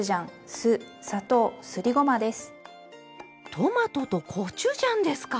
トマトとコチュジャンですか？